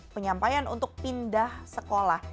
penyampaian untuk pindah sekolah